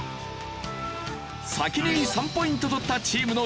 先に３ポイント取ったチームの勝利。